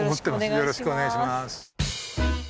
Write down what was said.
よろしくお願いします。